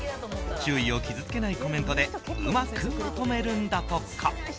周囲を傷つけないコメントでうまくまとめるんだとか。